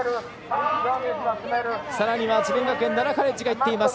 さらには智弁カレッジがいっています。